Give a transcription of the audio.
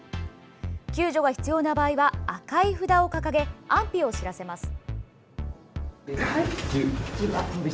救助が必要な場合は赤い札を掲げ、安否を知らせます。